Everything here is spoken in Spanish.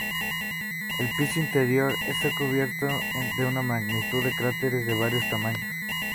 El piso interior está cubierto de una multitud de cráteres de varios tamaños.